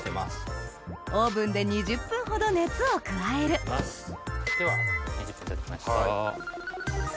オーブンで２０分ほど熱を加えるでは２０分たちました。